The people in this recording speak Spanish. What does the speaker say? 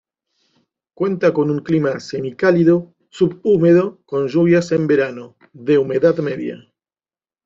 Cuenta con un clima semicálido subhúmedo con lluvias en verano, de humedad media.